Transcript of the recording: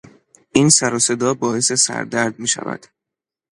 این سروصدا باعث سردرد میشود.